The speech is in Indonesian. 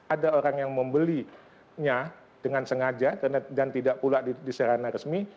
ada orang yang membelinya dengan sengaja dan tidak pula di sarana resmi